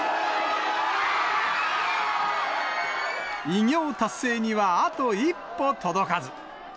偉業達成にはあと一歩届かず。